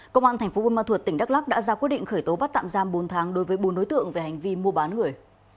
công an tp bunma thuột tỉnh đắk lắc đã ra quyết định khởi tố bắt tạm giam bốn tháng đối với bốn đối tượng về hành vi mua bán người